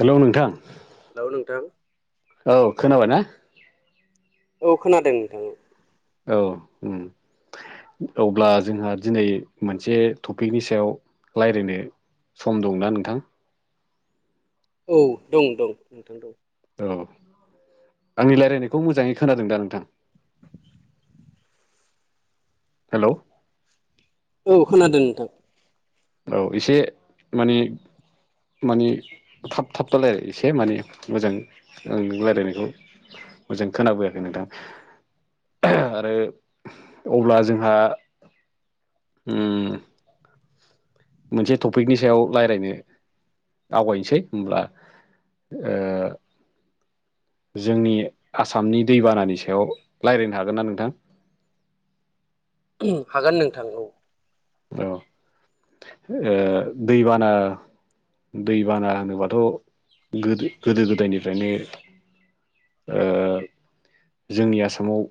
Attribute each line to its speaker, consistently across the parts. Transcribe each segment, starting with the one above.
Speaker 1: Hello नोंथां
Speaker 2: hello नोंथां
Speaker 1: औ खोनाबाय ना
Speaker 2: औ खोनादों नोंथां
Speaker 1: औ ओम अब्ला जोंहा दिनै मोनसे टपिकनि सायाव लायरायनो सम दंना नोंथां
Speaker 2: औ दं दं नोंथां दं
Speaker 1: औ आंनि रायज्लायनायखौ मोजाङै खोनादों दा नोंथां हेलौ
Speaker 2: औ खोनादों नोंथां
Speaker 1: औ एसे माने माने थाब थाब दालाराय एसे माने मोजां आं नों रायज्लायनायखौ माेजां खोनाबोयाखै नोंथां आरो अब्ला जोंहा उम मोनसे टपिकनि सायाव लायरायनो आवगायसै होमब्ला ओ जोंनि आसामनि दैबानानि सायाव रायज्लायनो हागोन ना नोंथां
Speaker 2: उम हागोन नोंथां औ
Speaker 1: औ ओ दैबाना दै बाना होनोबाथ' गोदो-गोदायनिफ्रायनो ओ जोंनि आसामाव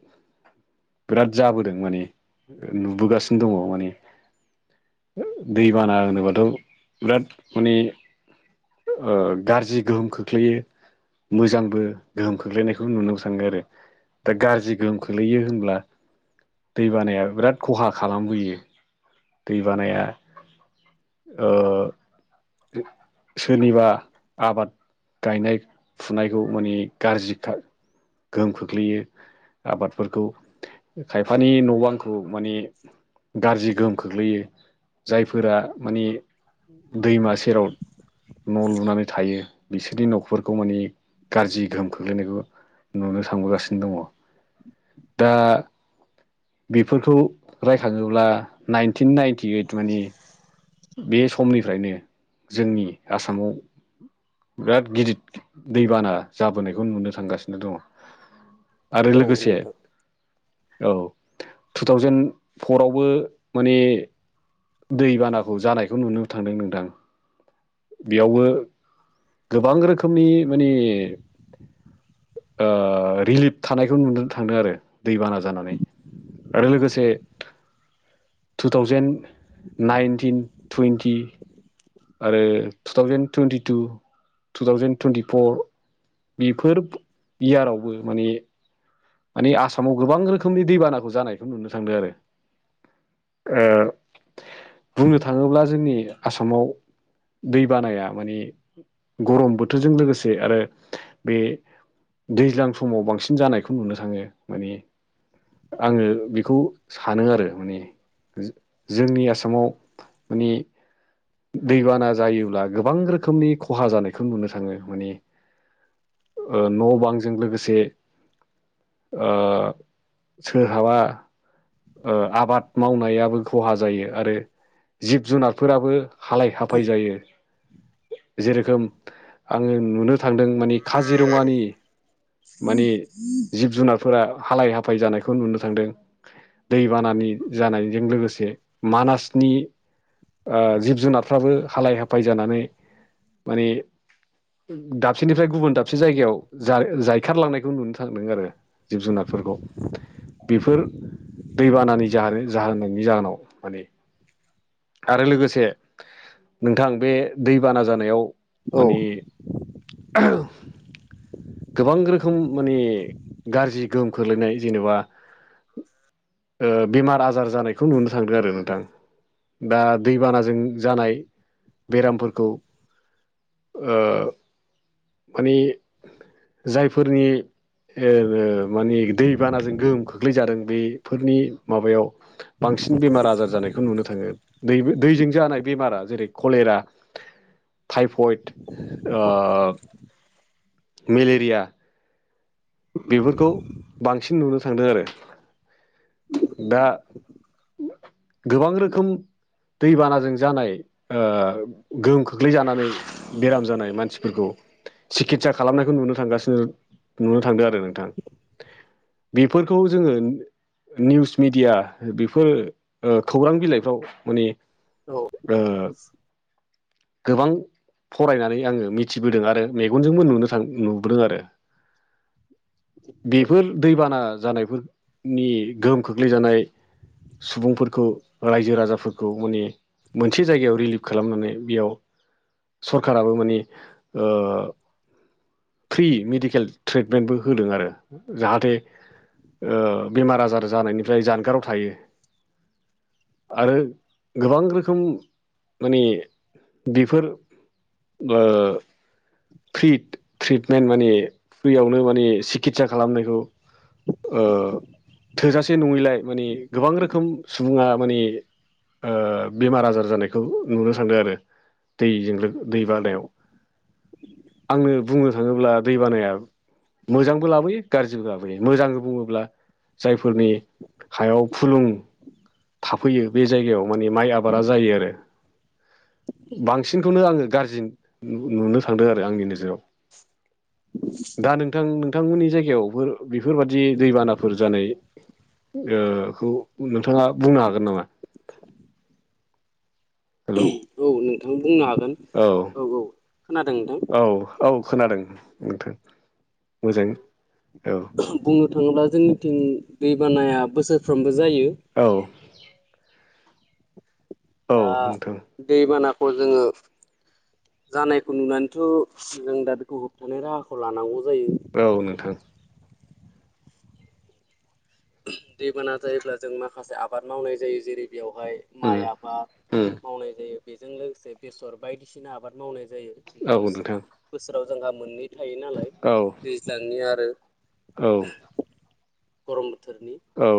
Speaker 1: बिराद जाबोदों माने नुबोगासिनो दङ माने दै बाना होनोबाथ' बिराद माने ओ गाज्रि गोहोम खोख्लैयो मोजांबो गोहोम खोख्लैनायखौबो नुनो सानो आरो। दा गाज्रि गोहोम खोलैयो होनब्ला दैबानाया बिराद खहा खालामबोयो दैबानाया ओ सोरनिबा आबाद गायनाय फुनायखौ माने गाज्रि खा गोहोम खोख्लैयो आबादफोरखौ खायफानि न'बांखौ माने गाज्रि गोहोम खोख्लैयो जायफोरा माने दैमा सेराव न' लुनानै थायो बिसोरनि न'फोरखौ मानिे गाज्रि गोहोम खोख्लैनायखौ नुनो सानबोगासिनो दङ दा बेफोरखौ रायखाङोब्ला नाइनटिन नाइनटि ओइटुनि बे समनिफ्रायनो जोंनि आसामाव बिराद गिदिर दैबाना जाबोनायखौ नुनो थांगासिनो दङ। आरो
Speaker 2: औ
Speaker 1: लोगोसे
Speaker 2: नोंथां
Speaker 1: औ टु थावजेेन परावबो माने दैबानाखौ जानायखौ नुनो थांदों नोंथां। बेयावबो गोबां रोखोमनि माने रिलिफ थानायखौ नुनो थांदों आरो दैबाना जानानै आरो लोगोसे टु थावजेन नाइन्टिन टुवन्टि आरो two thousand twenty two two thousand twenty four बेफोर इयारावबो माने मानिे आसामाव गोबां रोखोमनि दैबानाखौ जानायखौ नुनो थांदों आरो। बुंनो थाङोब्ला जोंनि आसामाव दै बानाया माने गरम बोथोरजों लोगोसे आरो बे दैज्लां समाव बांसिन जानाय बेखौ नुनो थाङो माने आङो बेखौ सानो आरो माने जोंनि आसामाव माने दैबाना जायोब्ला गोबां रोखोमनि खहा जानायखौ नुनो थाङो माने। ओ न' बांजों लोगोसे ओ सोरहाबा आबाद मावनायाबो खहा जायो आरो जिब जुनारफोराबो हालाय हाफाय जायो। जे रोखोम आङो नुनो थांदों माने काजिरङानि माने जिब जुनारफोरा हालाय हाफाय जानायखौ नुनो थांदों। दै बानानि जानायजों लोगोसे मानासनि ओ जिब जुनारफ्राबो हालाय हाफाय जानानै माने दाबसेनिफ्राय गुबुन दाबसे जायगायाव जायखारलांनायखौ नुनो थांदों आरो। जिब जुनारफोरखौ बेफोर दैबानानि जाह जाहोननि जाहोनाव माने आरो लोगोसे नोंथां बे दैबाना जानायाव
Speaker 2: औ
Speaker 1: मानि गोबां रोखोम माने गाज्रि गोहोम खोलैनाय जेनेबा बेमार आजार जानायखौ नुनो थांदों आरो नोंथां। दा दैबानाजों जानाय बेरामफोरखौ ओ माने जायफोरनि ओ मानि दैबानाजों गोहोम खोख्लैादों बेफोरनि माबायाव बांसिन बेमार आजार जानाय खौ नुनो थाङो दै दैजों जानाय बेमारा जेरै कलेरा थाइफइड
Speaker 2: [unintelligible]
Speaker 1: मेलेरिया बेफोरखौ बांसिन नुनो थांदों आरो दा गोबां रोखोम दैबानाजों जानाय ओ गोहोम खोख्लै जानानै बेराम जानाय मानसिफोरखौ सिकित्सा खालामनायखौ नुनो थांगासिनो नुनो थांदों आरो नोंथां बेफोरखौ जोङो निउस मिडिया बेफोर ओ खौरां बिलाइफ्राव माने
Speaker 2: औ
Speaker 1: ओ गोबां फरायनानै आङो मिथिबोदों आरो मेगनजोंबो नुनो थां नुबोदों आरो बेफोर दैबाना जानायफोरनि गोहोम खोख्लैजानाय सुबुंफोरखौ रायजो राजाफोरखौ माने मोनसे जायगायाव रिलिफ खालामनानै बेयाव सरखाराबो माने ओ फ्रि मेडिकेल ट्रिटमेन्टबो होदों आरो जाहाथे ओ बेमार आजार जानायनिफ्राय जानगाराव थायो आरो गोबां रोखोम माने बेफोर ओ ट्रिट ट्रिटमेन्ट माने फ्रियावनो माने सिकित्सा खालामनायखौ ओ थोजासे नङैलाय माने गोबां रोखोम सुबुङा माने ओ बेमार आजार जानायखौ नुनो थांदों आरो दैजों दै बानायाव आंनो बुंनो थाङोब्ला दै बानाया मोजांबो लाबोयो गाज्रिबो लाबोयो मोजां बुङोब्ला जायफोरनि हायाव फुलुं थाफैयो बे जायगायाव मानि माइ आबादा जायो आरो बांसिनखौनो आङो गाज्रि नुनो थांदों आरो आंनि नोजोराव दा
Speaker 2: [unintelligible]
Speaker 1: नोंथां नोंथांमोननि जायगायावफोर बेफोरबादि दैबानाफोर जानाय ओ खौ नोंथाङा बुंनो हागोन नामा हेलौ
Speaker 2: औ नोंथां बुंनो हागोन
Speaker 1: औ
Speaker 2: औ औ खोनादों नोंथां
Speaker 1: औ औ खोनादों नोंथां मोजाङै औ
Speaker 2: बुंनो थाङोब्ला जोंनिथिं दैबानाया बोसोरफ्रोमबो जायो
Speaker 1: औ औ
Speaker 2: दा
Speaker 1: नोंथां
Speaker 2: दैबानाखौ जोङो जानायखौ नुनानैथ' जों दा बेखौ होबथानाय राहाखौ लानांगौ जायो
Speaker 1: औ नोंथां
Speaker 2: दैबाना जायोब्ला जों माखासे आबाद मावनाय जायो जेरै बेवहाय
Speaker 1: उम
Speaker 2: माइ आबाद
Speaker 1: उम
Speaker 2: मावनाय जायो बेजों लोगोसे बेसर बायदिसिना आबाद मावनाय जायो [unintelligible]
Speaker 1: औ नोंथां
Speaker 2: बोसोराव जोंहा मोननै थायो नालाय
Speaker 1: औ
Speaker 2: दैज्लांनि आरो
Speaker 1: औ उम
Speaker 2: गरम बोथोरनि
Speaker 1: औ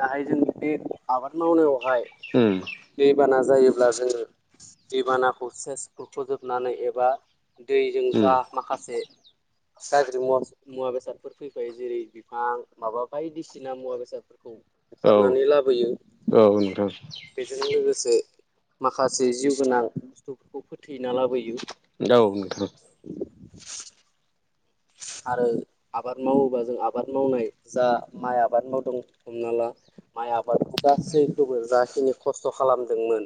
Speaker 2: दाहाय जों बे आबाद मावनायावहाय
Speaker 1: ओम
Speaker 2: दैबाना जायोब्ला जोङो दैबानाखौ सेस गुरख'जोबनानै एबा दैजों जा
Speaker 1: नोंथां
Speaker 2: माखासे गाज्रि मुवा मुवा बेसादफोर फैफायो जेरै बिफां माबा बायदिसिना सिना मुवा बेसादफोरखौ बुखारनानै लाबोयो। जों लोगोसे माखासे जिउ गोनां बुस्थुफोरखौ फोथैना लाबोयो।
Speaker 1: औ नोंथां।
Speaker 2: [inaudible] आरो आबाद मावोबा जों आबाद मावनाय जा माइ आबाद मावदों हमना ला माइ आबाद गासैखौबो जाखिनि खस्थ' खालामदोंमोन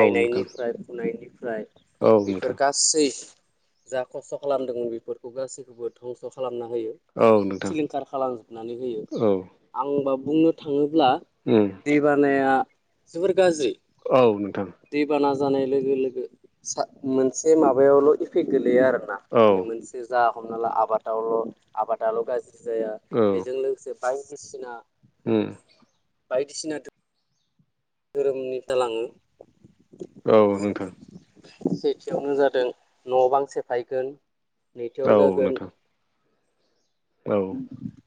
Speaker 1: औ नोंथां
Speaker 2: फुनायनिफ्राय
Speaker 1: औ
Speaker 2: बेफोर
Speaker 1: नोंथां औ नोंथां
Speaker 2: गा सैस जा खस्थ' खालामदोंमोन बेफोरखौ गासैखौबो धंस' खालामना होयो।
Speaker 1: औ नोंथां
Speaker 2: सिलिंखार खालामजोबनानै होयो
Speaker 1: औ
Speaker 2: आंबा बुंनो थाङोब्ला,
Speaker 1: उम
Speaker 2: दै बानाया जोबोर गाज्रि,
Speaker 1: औ नोंथां।
Speaker 2: दैबाना जानाय लोगो लोगो मोनसे माबायावल' इफेक्ट गोलैया आरोना माने मोनसे जा हमना ला आबादावल' आबादाल' गाज्रि जाया
Speaker 1: औ
Speaker 2: बेजों
Speaker 1: औ
Speaker 2: लोगोसे, बायदिसिनो,
Speaker 1: उम
Speaker 2: बायदिसिना दोरोमनि जालाङो,
Speaker 1: औ नोंथां।
Speaker 2: सेथियावनो जादों न' बां सेफायगोन नैथियाव
Speaker 1: औ
Speaker 2: जागोन,
Speaker 1: नोंथां औ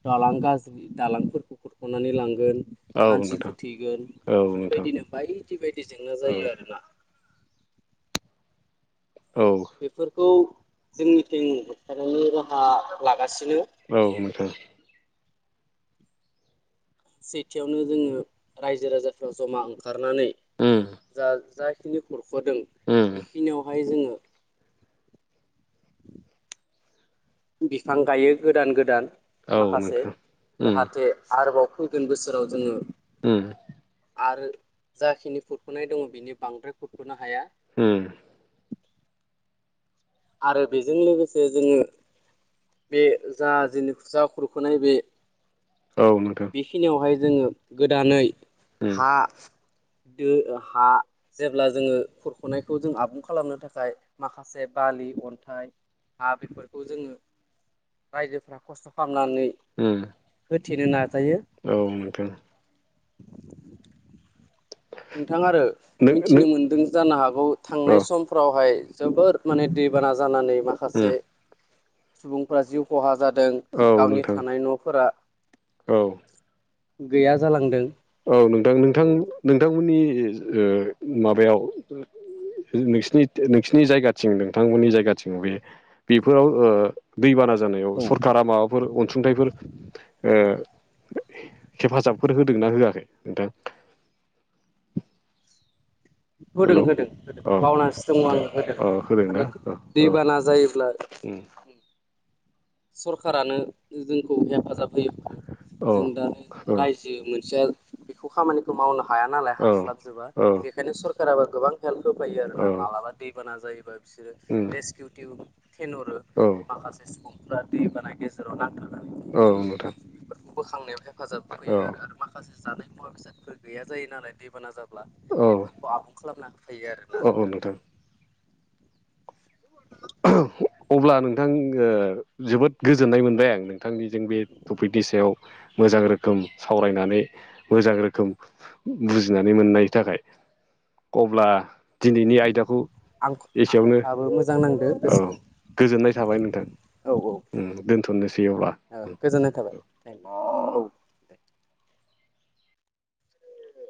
Speaker 2: दालां गाज्रि दालांफोरखौ खुरख'नानै लांगोन।
Speaker 1: औ
Speaker 2: मानसि
Speaker 1: नोंथां
Speaker 2: फोथैगोन
Speaker 1: औ नोंथां
Speaker 2: बेफोरबायदिनो बायदि बायदि जेंना
Speaker 1: औ
Speaker 2: जायो आरोना।
Speaker 1: औ
Speaker 2: बेफोरखौ जोंनिथिं होबथानायनि राहा लागासिनो।
Speaker 1: औ नोंथां।
Speaker 2: सेथियावनो जोङो रायजो राजाफ्रा जमा ओंखारनानै
Speaker 1: उम
Speaker 2: जा जाय, खिनि खुरख'दों
Speaker 1: उम
Speaker 2: बेखिनियावहाय जोङो, बिफां गायो गोदान गोदान
Speaker 1: औ
Speaker 2: माखासे
Speaker 1: नोंथां उम
Speaker 2: जाहाथे, आरोबाव फैगोन बोसोराव जोङो,
Speaker 1: उम
Speaker 2: आरो जाखिनि खुरख'नाय दङ बिनि बांद्राय खुरख'नो हाया।
Speaker 1: उम
Speaker 2: आरो बेजों लोगोसे जोङो बे जा जेनिखि जा खुरख'नाय बे,
Speaker 1: औ नोंथां
Speaker 2: बेखिनियावहाय जोङो गोदानै
Speaker 1: उम
Speaker 2: हा दो हा, जेब्ला जोङो खुरख'नायखौ जों आबुं खालामनो थाखाय माखासे बालि अन्थाइ, हा बेफोरखौ जोङो रायजोफ्रा खस्थ' खालामनानै
Speaker 1: उम
Speaker 2: होथेनो नाजायो।
Speaker 1: औ नोंथां
Speaker 2: नोंथाङा आरो
Speaker 1: नों नों
Speaker 2: मिथिनो मोन्दों जानो हागौ
Speaker 1: अ
Speaker 2: थांनाय समफ्रावहाय जोबोर, माने दैबाना जानानै
Speaker 1: उम
Speaker 2: माखासे सुबुंफ्रा जिउ खहा जादों।
Speaker 1: औ
Speaker 2: गावनि
Speaker 1: नोंथां।
Speaker 2: थानाय न'फोरा
Speaker 1: औ
Speaker 2: गैया जालांदों।
Speaker 1: औ नोंथां नोंथां
Speaker 2: औ
Speaker 1: नोंथांमोननि माबायाव, नोंसिनि नोंसिनि जायगाथिं नोंथांमोननि जायगाथिं बे बेफोराव ओ दैबाना जानायाव
Speaker 2: औ
Speaker 1: सरखारा माबाफोर अनसुंथाइफोर ओ हेफाजाबफोर होदोंनाा होआखै नोंथां
Speaker 2: होदों
Speaker 1: हेलौ
Speaker 2: होदों होदों
Speaker 1: औ
Speaker 2: बावनास आं होदों
Speaker 1: औ होदोंना
Speaker 2: माने
Speaker 1: औ औ
Speaker 2: दैबाना जायोब्ला
Speaker 1: [inaudible]
Speaker 2: सरखारारानो जोंखौ हेफाजाब होयो
Speaker 1: औ
Speaker 2: जों दानो रायजो जि मोनसेया बेखौ खामानिखौ मावनो हाया नालाय
Speaker 1: औ
Speaker 2: हास्लाबजोबा बेखायनो सरकाराबो गोबां हेल्प होफायो आरो
Speaker 1: औ
Speaker 2: ना मालाबा दैबाना जायोबा बिसोरो
Speaker 1: उम
Speaker 2: रेस्किउ टिउ थेनहरो
Speaker 1: औ
Speaker 2: माखासे सुबुंफफ्रा दैबाना गेजेराव नांथारनानै,
Speaker 1: औ नोंथां
Speaker 2: बोखांनायाव हेफाजाब
Speaker 1: औ
Speaker 2: होैयो आरो आरो माखासे जानाय मुवा बेसादफोर गैया जायो नालाय दैबाना जाब
Speaker 1: औ
Speaker 2: बेफोरखौ आबुं खालामना हो फैयो आरोना नोंथां,
Speaker 1: अब्ला नोंथां ओ जोबोद गोजोननाय मोनबाय नों बिथांनिजों बे टपिकनि सायाव मोजां रोखोम सावरायनानै मोजां रोखोम बुजिनानै मोननायनि थाखाय अब्ला दिनैनि आयदाखौ
Speaker 2: आं
Speaker 1: एसेयावनो
Speaker 2: आंहाबो मोजां नांदों
Speaker 1: औ गोजोननाय थाबाय नोंथां
Speaker 2: औ
Speaker 1: दोनथ'नोसै अब्ला
Speaker 2: औ गोजोननाय थाबाय नोंथां औ दे